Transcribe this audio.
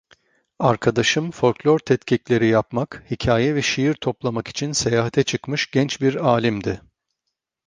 Arkadaşım folklor tetkikleri yapmak, hikaye ve şiir toplamak için seyahate çıkmış genç bir alimdi.